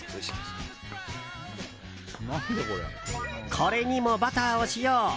これにもバターを使用。